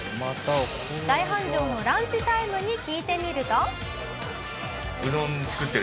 大繁盛のランチタイムに聞いてみると。